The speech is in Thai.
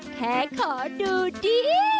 แค่ขอดูดิ